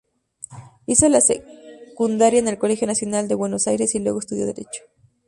Hizo la secundaria en el Colegio Nacional de Buenos Aires y luego estudió Derecho.